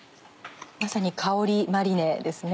まさに香りマリネですね。